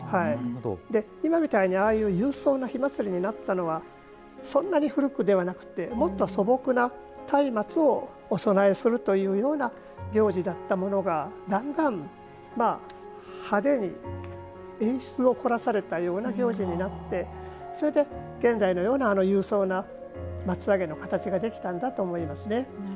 今みたいに、ああいう勇壮な火祭りになったのはそんなに古くではなくてもっと素朴な松明をお供えするというような行事だったものがだんだん、派手に演出を凝らされたような行事になってそれで、現在のような勇壮な松上げの形ができたんだと思いますね。